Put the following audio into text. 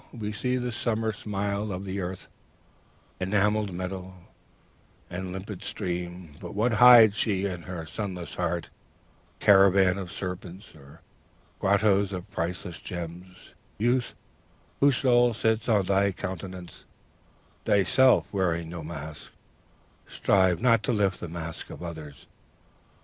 We see the summer smile of the Earth, enamelled meadow and limpid stream, but what hides she in her sunless heart? Caverns of serpents, or grottoes of priceless gems? Youth, whose soul sits on thy countenance, thyself wearing no mask, strive not to lift the masks of others!